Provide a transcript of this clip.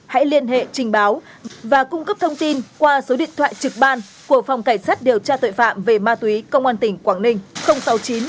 hãy liên hệ trình báo và cung cấp thông tin qua số điện thoại trực ban của phòng cảnh sát điều tra tội phạm về ma túy công an tỉnh quảng ninh sáu mươi chín hai nghìn tám trăm linh tám một trăm chín mươi năm